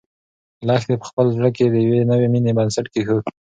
لښتې په خپل زړه کې د یوې نوې مېنې بنسټ کېښود.